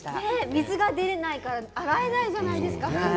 水が使えないから洗えないじゃないですか。